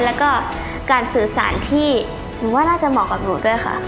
แล้วก็การสื่อสารที่หนูว่าน่าจะเหมาะกับหนูด้วยค่ะ